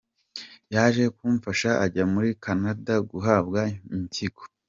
Yaje kumufasha ajya muri Canada guhabwa impyiko.